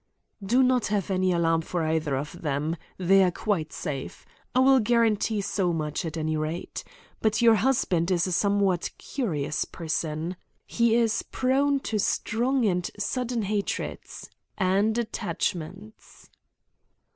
"Do not have any alarm for either of them. They are quite safe. I will guarantee so much, at any rate. But your husband is a somewhat curious person. He is prone to strong and sudden hatreds and attachments."